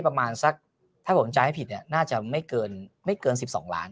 ประมาณซักถ้าผมจ่ายให้ผิดอ่ะร่ะไม่เกินไม่เกิน๑๒ล้าน